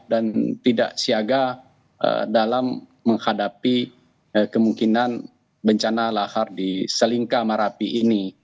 dan tidak siaga dalam menghadapi kemungkinan bencana lahar di selingkah merapi ini